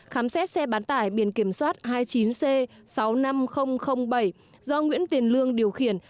khám xét xe bán tải biển kiểm soát hai mươi chín c sáu mươi năm nghìn bảy do nguyễn tiền lương điều khiển